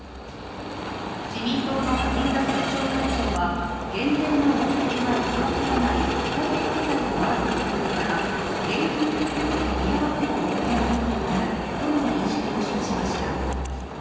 自民党の萩生田政調会長は減税の恩恵が行き渡らない非課税世帯もあることなどから、現金給付と組み合わせて行うことになるとの認識を示しました。